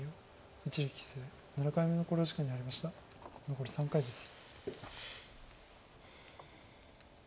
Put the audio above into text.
残り３回です。